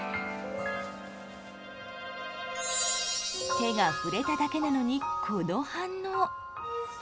手が触れただけなのにこの反応。